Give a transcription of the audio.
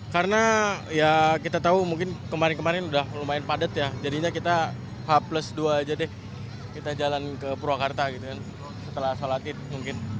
karena ya kita tau mungkin kemarin kemarin udah lumayan padat ya jadinya kita ha plus dua aja deh kita jalan ke purwakarta gitu kan setelah sholatit mungkin